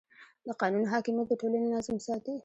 د قانون حاکمیت د ټولنې نظم ساتي.